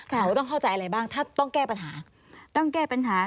แต่ว่าต้องเข้าใจอะไรบ้างถ้าต้องแก้ปัญหา